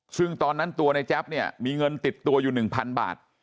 ซึ่งตอนนั้นตัวในแจ๊บเนี่ยมีเงินติดตัวอยู่๑๐๐๐บาท